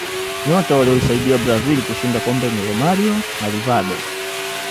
nyota waliyoisaidia brazil kushinda kombe ni romario na rivaldo